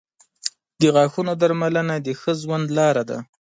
• د غاښونو درملنه د ښه ژوند لار ده.